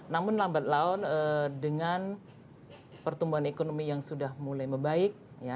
namun lambat laun dengan pertumbuhan ekonomi yang sudah mulai membaik